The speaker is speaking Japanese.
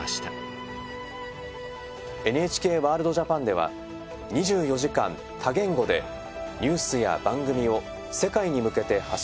「ＮＨＫワールドＪＡＰＡＮ」では２４時間多言語でニュースや番組を世界に向けて発信しています。